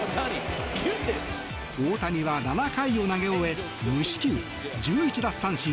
大谷は７回を投げ終え無四球１１奪三振